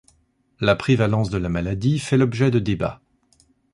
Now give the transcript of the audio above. La prévalence de la maladie fait l'objet de débat.